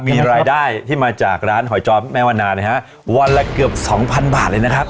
มีรายได้ที่มาจากร้านหอยจอมแม่วันนานะฮะวันละเกือบสองพันบาทเลยนะครับ